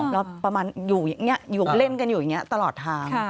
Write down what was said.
รอบประมาณอยู่อย่างนี้เล่นกันอยู่อย่างนี้ตลอดทาง